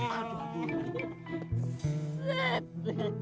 aduh aduh aduh aduh